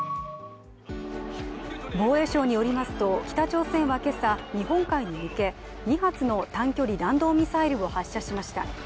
防衛省によりますと北朝鮮は今朝日本海に向け２発の短距離弾道ミサイルを発射しました。